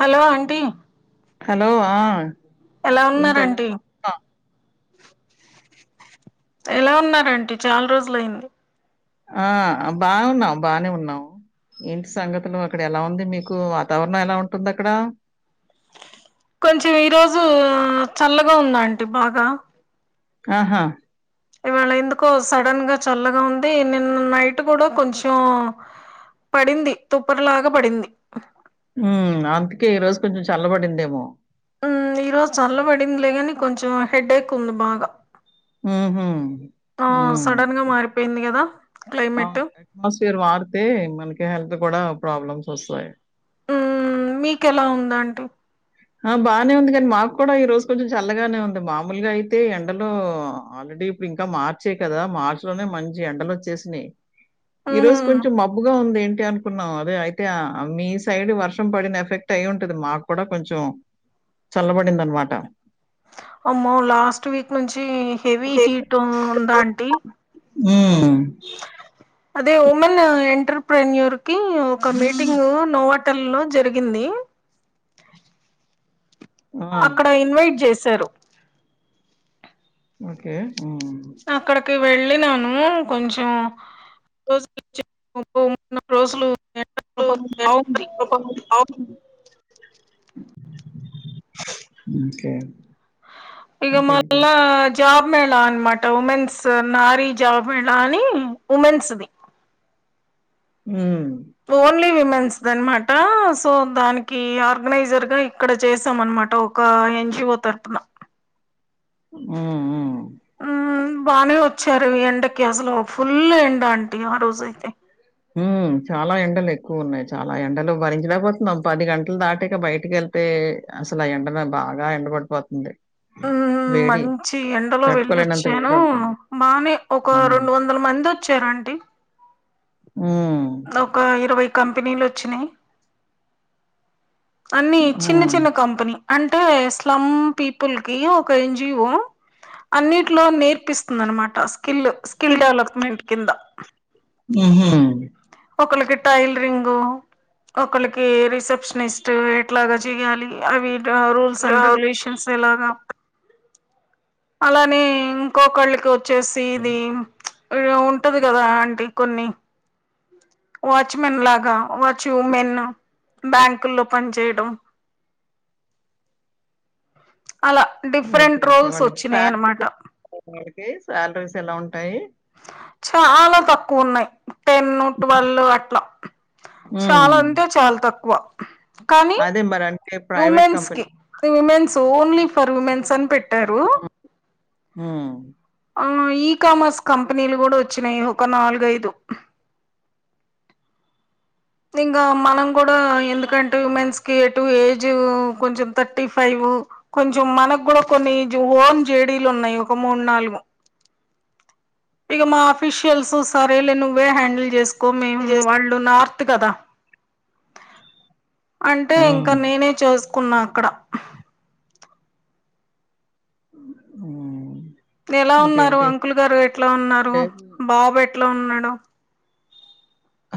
Hello aunty hello ఆ ఎలా ఏంటి ఎలా ఉన్నారంటీ ఉన్నావ్ ఎలా ఉన్నారంటి, చ్యాల్ రోజులయ్యింది. ఆ ఆ బాగున్నావు బానే ఉన్నావు. ఏంటి సంగతులో అక్కడ ఎలా ఉంది. మీకు వాతావరణం ఎలా ఉంటుంది. అక్కడ కొంచెం, ఈరోజు చల్లగా ఉందాంటి బాగా ఆహా ఇవాళ ఎందుకో సడన్ గా చల్లగా ఉంది. నిన్న నైట్ కూడా కొంచెం పడింది. తుప్పర్ లాగా పడింది. హ్మ్ అందుకే, ఈ రోజు కొంచెం చల్లబడిందేమో హ్మ్ ఈ రోజు చల్ల పడిందిలే, గనీ కొంచెం హెడేక్క్ ఉంది. బాగా ఉహు ఆ సడన్ గా మారిపోయింది. కదా అవున్ క్లైమేట్ అట్మాస్ఫియర్ వాడితే, మనకి హెల్ [unintelligible] కూడా ప్రాబ్లమ్స్ వస్తాయి. హ్మ్మ్ మీకెల్లా ఉందాంటీ. ఆ బాగానే ఉంది. కానీ మాకు కూడా ఈ రోజు కొంచెం చల్లగానే ఉంది. మామూలుగా అయితే ఎండలో ఆల్రెడీ ఇప్పుడు ఇంకా మార్చే, కదా మార్చి లోనే మంచి ఎండలు వచ్చేసినెయి. ఈ రోజు మ్మ్ కొంచెం మబ్బుగా ఉంది. ఏన్ టే అనుకున్నాం అదే అయితే మీ సైడ్ వర్షం పడిన ఎఫెక్ట్ అయ్యి ఉంటది. మాకు కూడా కొంచెం చల్లబడిందనమాట ప్చ్ వమ్మో లాస్ట్ వీక్ నుంచి, హెవీ హీట్ట్ ఉందాంటీ హ్మ్మ్ అదే ఓమెన్న ఎంటర్ర్ పోయిన్యూర్ కి ఒక మీటింగు నోవాట్టర్ లో జరిగింది. ఆ! అక్కడ ఇన్వైట్ జేస్ సేరు ఓకే హ్మ్. నాక్కడకి వెళ్ వెళ్ళినాను కొంచం రోజులు [unintelligible] రోజులు [unintelligible] బాగుంది. మ్మ్ కే ఇగ మళ్ళాజ్ జాబ్ మేళా అనమాట ఉమెన్స్, నారీ జాబ్ మేళా అని ఉమెన్ సుది. హ్మ్ ఓన్లీ విమెన్స్ దన్మాట సో దానికి, ఆర్గనైజర్గా ఇక్కడ చేసాం, అనమాట ఒక ఎన్ జీ వో తరుపున హ్మ్. హ్మ్. మ్మ్ బానే వచ్చారు. ఈ ఎండకి అసలు ఫుల్ ఎండ అంటే ఆ రోజైతే. హ్మ్ చాలా ఎండలు ఎక్కువ ఉన్నాయి. చాలా ఎండలు భరించలేక పోతున్నాం. పది గంటలు దాటిక బయటికి వెళ్తే అసలు ఆ ఎండరా బాగా ఎండర్ పడిపోతుంది. హ్మ్మ్ వేడి మంచి ఎండలో తట్టుకోలేనంత వెళ్ళొచ్చాను, వేడుంటుంది. బానే ఒక హ్మ్. రెండు వందల మంది వచ్చారంటీ. హ్మ్. నౌకా ఇరవై కంపెనీలు వచ్చినాయి. అన్నీ చిన్న, హ్మ్. చిన్న కంపెనీ అన్ అంటే స్లమ్ పీపుల్ కి ఒక ఎన్జిఓ అన్నిట్లో నేర్పిస్తుంది అ నమాట టాస్క్ స్కిల్ స్కిల్ డెవలప్మెంట్ కింద ఉహు ఒకలకి టైలరింగ్ ఒకలకి రిసెప్షనిస్ట్ ఎట్లాగా చెయాలి అవి గా రూల్స్ ఆ! అండ్ రెగులేషన్స్ ఎలాగా అలానే ఇంకొకళ్ళకి వ చ్చేసి ఇది ఇగ ఉంటది కదా అంటీ కొన్ని వాచ్మెన్ లాగా వాచ్ ఉమెన్ బ్యాంకు లో పని చేయడం ఓకే ఓకే వాళ్ళకి అనమాట సాలరీ వాళ్ళకి శాలరీస్ ఎలా ఉంటాయి చాలా తక్కువ ఉన్నాయి టెన్ ట్వెల్ అట్లా చాలా హ్మ్. అంటే చాలా తక్కువ కానీ అదే మరంటే ప్రైవేట్ వ్యూమెన్స్కి company. Womens only for womens అని పెట్ హ ఆ ఈకామర్స్ కంపెనీలు కూడా వచ్చినాయి ఒక నాలుగైదు ఇంకా మనం కూడా ఎందుకంటే ఉమెన్స్ కి ఎటు ఏజ్ కొంచెం థర్టీ ఫైవ్ కొంచెం మనకు కూడా కొన్ని ఓన్ జేడీలు ఉన్నాయి ఒక మూడు నాలుగు ఇగ మా ఆఫిషియల్స్ సరే లే నువ్వే హ్యాండిల్ చేసుకో కు మేము వాళ్ళు నార్త్ కదా అంటే హ్మ్. ఇంకా నేనే చేస్ కున్నా అక్కడ ఉ ఎలా ఉన్నారు అంకుల్ గారు ఎట్లా ఉన్నారు రేపు బాబు ఎ ఎట్లా ఉన్నాడు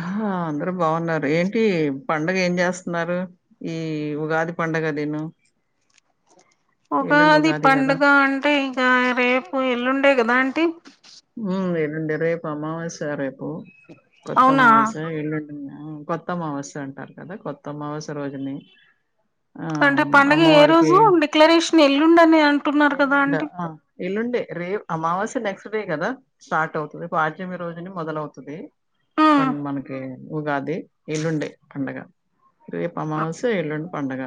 ఆ అందరు బాగున్నారు ఏంటి పండుగ ఏం చేస్తున్నారు ఈ ఉగాది పండుగ నేను ఉగాది పండుగ అంటే ఇగ రేపు ఎల్లుండే కదా ఆంటి అంటే రేపు అమావాస్య రేపు ఉ కొత్త అవునా అమావాస్య ఎల్లుండి కొత్త అమావాస్య అంటారు కదా కొత్త అమావాస్య రోజుని అంటే ఆహ్, పండుగ ఏ రోజు అమ్మవారికి డిక్లరేషన్ ఎల్లుండని అంటున్నారు కదా ఎల్లుండ అంటీ ఆ ఎల్లుండే రే అమావాస్య నెక్స్ట్ డే కదా స్టార్ట్ అవుతుది పాడ్యమి రోజుని మొదలవుతది ఆ మనకి ఉగాది ఎల్లుండే పండగ రేపు అమావాస ఎల్లుండి పండగ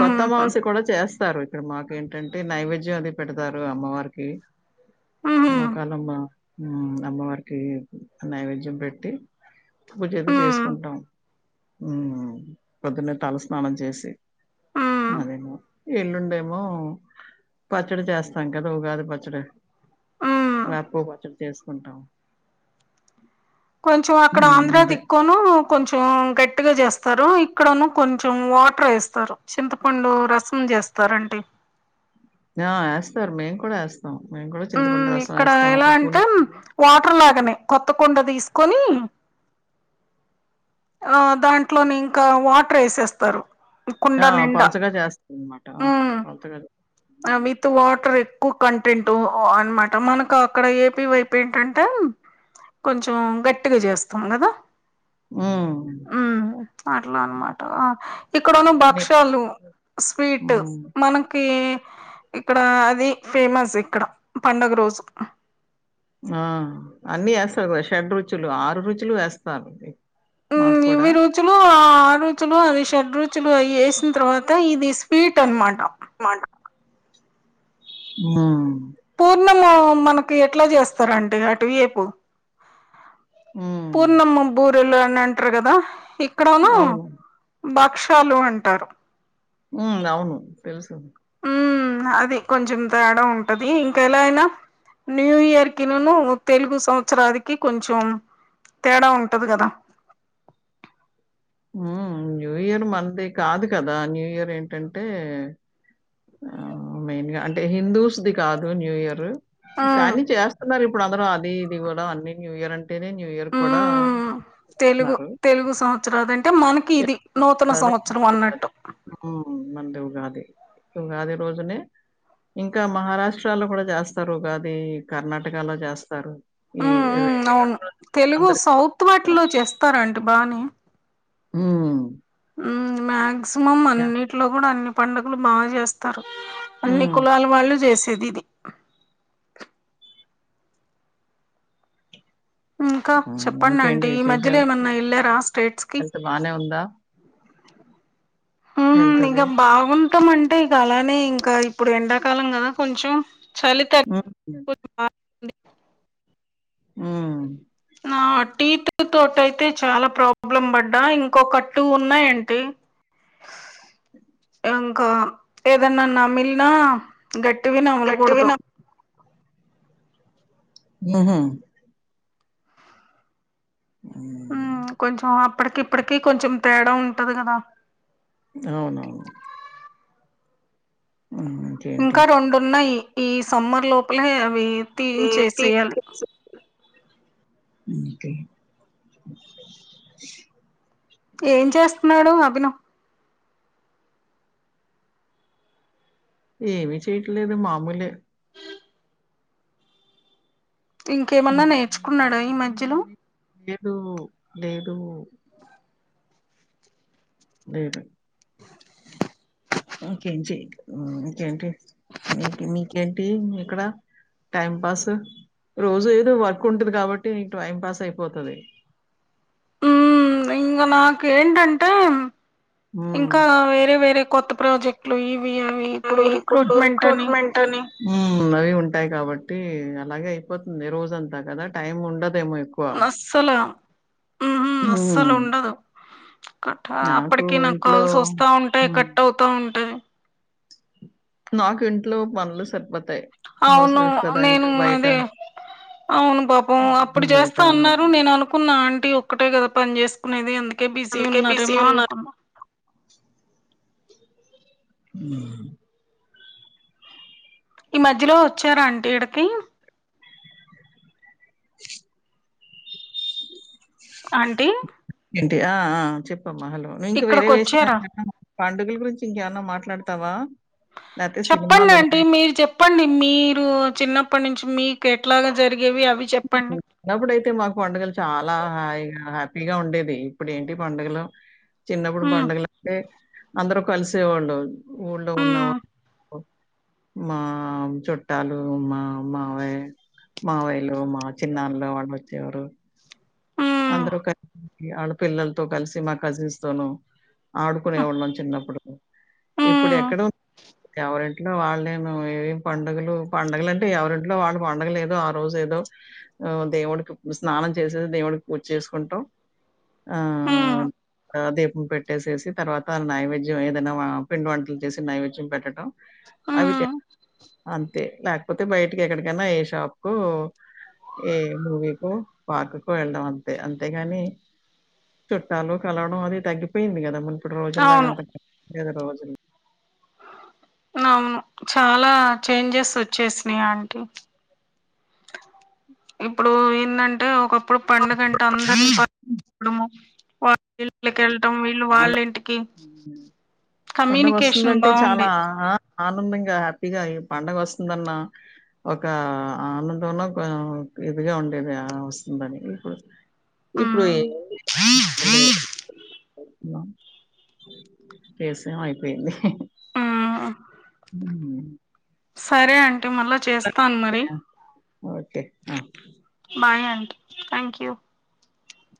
కొత్త అమావాస్య కూడా చేస్తారు ఇక్కడ మా ఏంటంటే నైవేద్యం అది పెడతారు అమ్మవారికి ఆహా మ కాలమ్మ అమ్మవారికి నైవేద్యం పెట్టి పూజతే ఆ చేసుకుంటాం ప్రొద్దున్న తల స్నానం చేసి ఆ అదేమో ఎల్లుండేమో పచ్చడి చేస్తాం కదా ఉగాది పచ్చడి ఆ వకు బచ్చలు తీసుకుంటాం కొంచం అక్కడ ఆంధ్రా దిక్క్కొను కొంచెం గట్ గట్టుగా చేస్తారు ఇక్కడను కొంచెం వాటర్ వేస్తారు చింతపండు రసం చేస్తారుంటడి ఆ వేస్తారు మేము కూడా వేస్తాం ఉ ఇక్కడ ఎలా అంటే వాటర్ లాగానే కొత్త కొండ తీసుకొని ఆ దాంట్లోని ఇంకా వాటర్ వేసేస్తారు కుండ ఆ నిండా పలుసగా చేస్తాంది అనమాట ఆ ఉమ్ పలుసగా విత్ వాటర్ ఎక్కువ క వన్ అంటూ అనమాట మనకు అక్కడ ఏపీ వైపు ఏంటంటే కొంచెం గట్టిగా చేస్తాం కదా హ్మ్. ఉ అట్లా అనమాట ఇక్కడ ఉన్న ఇవన్నీ. భక్ష్యాలు స్వీట్ హ్మ్. మనకి ఇక్కడ అది ఫేమస్ ఇక్కడ పండుగ రోజు ఆ అన్నిీ వేస్తారు కదా షెడ్ రుజులు ఆరు రుచులు వేస్తారు ఇవై రోజులు ఆ రోజులు అ చెడ రుచులు వేసిన తర్వాత ఇది స్వీట్ అనమాట మాట ఆ ఇన్నము మనకి ఎట్లా చేస్తారంటడి అటు వేపు హ్మ్. పూర్ణమబూర్ లు అని అంటారు కదా ఇక్కడనా అవును. భక్షాలు అంటారు ఉ అవును తెల్సు ఉ అది కొంచెం తేడా ఉంటది ఇంక ఎలా అయినా న్యూ ఇయర్ కి నును తెలుగు సంవత్సరాదికి కొంచెం తేడా ఉంటది కదా న్యూ ఇయర్ మంది కాదు కదా న్యూ ఇయర్ ఏంటంటే మెయిన్గా అంటే హిందూస్ది కాదు న్యూ ఇయర్ ఉమ్ కానీ చేస్తున్నారు ఇప్పుడు ఇప్పుడు అందరు అది ఇది కూడా అన్ని న్యూ ఇయర్ అ అంటేనే న్యూ ఇయర్ ఉమ్ కూడాస్తున్నారు రాాం అంటే మనకి ఇది నూతన సంవత్సరం ఉగాది. అన్నట్టు హ్మ్. మనది ఉగాది. ఉగాది రోజునే ఇంకా మహారాష్ట్రలో కూడా చేస్తారు ఉగాది కర్ణాటకలో చేస్తారు ఈ అవును ఎల్లుండి రోజునే తెలుగు అందరికి సౌత్ పచ్చడం. వాటిలో చేస్తారంటడి బానే ఆ మ్యా సుమం అన్నింటిలో కూడా అన్ని పండుగలు మాాగా చేస్తారు అన్ని హ్మ్. కులాల వాళ్ళు చేస్తారు స్థిదిది ఇంకా చెప్పండి ఆంటీ ఇంకేంటి ఈ మధ్యలో విశేషాలు ఏమన్నా హ వెళ్ళారా స్టేట్స్ కి హెల్త్ బానే ఉందా హ హెల్త్ ఇగ అది? బాగు కం అంటే ఇక అలానే ఇంకా ఇప్పుడు ఎండాకాలం కదా కొంచెం చలితే హ్మ్. అ ఆ నా టీత్ తోట అయితే చాలా ప్రాబ్లం పడ్డా ఇంకొక టటు ఉన్నాయంంటి ఇంకా ఏదన్నా నమిలినా గట్ టు విని అంగ కొత గట్టివిన హ కొంచం ఇప్పటికి ఇప్పటికిీ కొంచెం తేడా ఉంటది కదా అవునవును హ్మ్. ఇంకేంటి ఇంకా రెండున్నాయి ఈ సమ్మర్ లోపలే అవి తి చేసేయాలి అకే ఏం చేస్తున్నాడు అభిన ఏమి చేయట్లేదు మామూలు ఇంకేమన్నా నువ్వేం నేర్చుకున్నాడా ఈ మధ్యలో చేస్తున్నావండి తో లేేదా ఇంకేంచె ఇంకేంటి మీకి మీకి ఏంటి ఏక్కడ టైం పాస్ రోజు ఏదో వర్క్ ఉంటది కాబట్టి టైం పాస్ అయిపోతుది ఇంకా మాక్ ఏంటంటే హ్మ్. ఇంకా వేరే వేరే కొత్త ప్రాజెక్ట్లు ఈ రిక్రూట్మెంట్ అని అవి ఉంటాయి కాబట్టి టి అలాగే అయిపోతుంది రోజంతా కదా టైమ్ ఉండదు అస్సలు అస్సలు హ్మ్. ఉండదు కట్ట అప్పటికి నాకు కాల్స్ వస్తా ఉంటాయి హ్మ్. కట్ అవుతా ఉంటాయి మాకు ఇంట్లో పనులు సరిపోత అవును నేను అదే అవును పాపం అప్పుడు నువ్వు బయట చేస్తా అన్నారు నువ్వు నేను అనుకున్నా అ ఒక్కటే కదా పని చేేసుకునేది అని కే బిజీ అందుకే బిజీ ఉన్నారేమో ఉన్నారు. అనుకున్న హ్మ్మ్ ఈ మధ్యలో వచ్చారా అంటీ ఈడకి [unintelligible] ఆంటీ ఏంటి? ఆ ఆ‌ చెప్ప్ అ హలో మీకి వేరే ఇక్కడికి విషయల వచ్చారా [unintelligible] పండుగల గురించి ఇంకేమన్న మాట్లాడతావా లేతే చెప్పండి ఆంటీ సినిమాలున్నాయి. మీరు చెప్పండి మీరు చిన్న ప్పటి నుంచి మీకు ఎట్లాగా జరిగి చిన్నప్పుడయితే మాకు పండుగలు చాలా హాయిగ హాపీ పిగా ఉండేది ఇప్పుడు ఏంటి పండుగలు చిన్నప్పుడు హ్మ్ పండుగలంటే అందరు కలిసేవాళ్ళు ఊళ్ళో ఉన్న హ్మ్ మా చుట్టాలు మా మావయ్య మావయ్య మా చిన్నానాన్నలు వాళ్ళు వచ్చేవారు హ్మ్ వాళ్ళ పిల్లలతో కలిసి మా కజిన్స్ తోను ఆడుకునేవాళ్ళం చిన్నప్పుడు హ్మ్ ఇప్పుడు హ్మ్ ఎక్కడ ఎవరింట్లో వాళ్ళు నేను ఏం పండుగలు పండుగలు అంటే ఎవరింట్లో వాళ్ళు పండుగలు ఏదో ఆ రోజు ఏదో దేవుడికి స్నానం చేసేసి దేవుడికి వచ్చేసుకుంటాం ఆ హ్మ్ దీపం పెట్టేసేసి తర్వాత నైవేద్యం ఏదైనా పిండి వంటలు చేసి నైవేద్యం పెట్టడం అవి హ్మ్. ఆ లేకపోతే బయటకి ఎక్కడికైనా ఏ షాప్ కొ ఏ మూవీ కొ పార్క్ కొ వెళ్డం అంతే అంతేగాని చుట్టాలు కలవడం అది తగ్గిపోయింది కదా ము అప్పుడు రోజు లాగా అవును అంత క రోజు అవును చాలా చేంజెస్ వచ్చేసినయి ఆంటీ ఇప్పుడు ఏందంటే ఒక అప్పుడు పండుగంటే అందరి వా ఇంట్లోకెళ్లి [unintelligible] వీళ్ళు వాళ్ళ అంద్ ఇంటికి హ్మ్. కమ్యూనికేషన్ పండగొస్తుందంటే బాగుండే చాలా ఆ! ఆనందంగా హ్యాపీగా ఈ పండుగ వస్తుందన్న ఒక ఆనందంలో ఇదిగా ఉండేది వస్తుందని ఇప్పుడు ఇప్పుడు ఉమ్ మంట [unintelligible] కేస్ ఏమో అయిపోయింది హ ఉమ్ అ [inaudible] సరే అండి మల్ల చేస్తాను మరి ఆ! ఓకే ఆ బాయ్ అంటీ థ్యాంక్ యూ